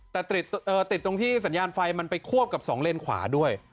แต่ติดตรงที่สัญญาณไฟมันไปควบกับ๒เลนขวาด้วย